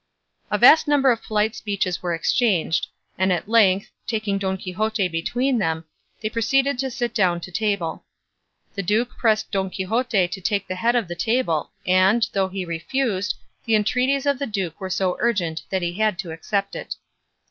A vast number of polite speeches were exchanged, and at length, taking Don Quixote between them, they proceeded to sit down to table. The duke pressed Don Quixote to take the head of the table, and, though he refused, the entreaties of the duke were so urgent that he had to accept it.